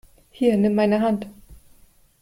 Hier, nimm meine Hand!